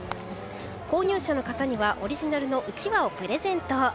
購入者の方にはオリジナルのうちわをプレゼント。